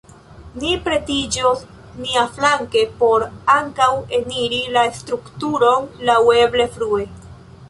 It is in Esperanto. Ni pretiĝos niaflanke por ankaŭ eniri la strukturon laŭeble frue.